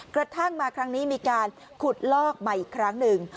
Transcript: กระทั่งมาครั้งนี้มีการขุดลอกใหม่อีกครั้งหนึ่ง